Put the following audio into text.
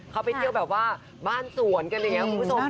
เขาไปเที่ยวแบบว่าบ้านสวนกันอย่างนี้คุณผู้ชม